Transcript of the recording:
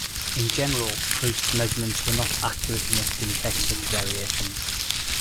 In general, Proust's measurements were not accurate enough to detect such variations.